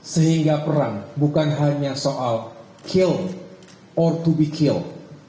sehingga perang bukan hanya soal kill our to be kill